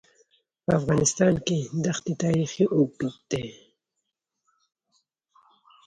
په افغانستان کې د ښتې تاریخ اوږد دی.